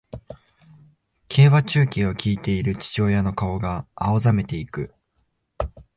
競馬中継を聞いている父親の顔が青ざめていく